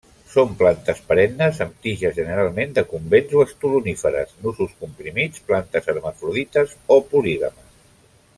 Són plantes perennes; amb tiges generalment decumbents o estoloníferes; nusos comprimits; plantes hermafrodites o polígames.